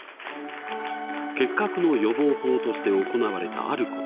結核の予防法として行われたあること。